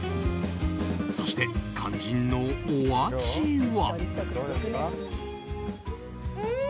そして肝心のお味は。